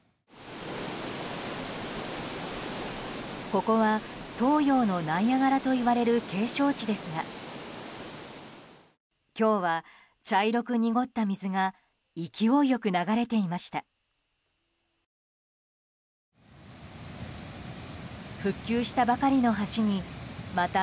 ここは東洋のナイアガラといわれる景勝地ですが今日は茶色く濁った水が勢いよく流れていました。